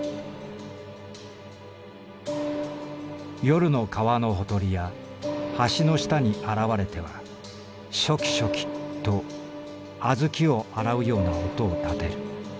「夜の川のほとりや橋の下に現れては『しょきしょき』と小豆を洗うような音をたてる」。